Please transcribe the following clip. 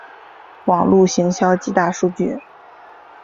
网路行销及大数据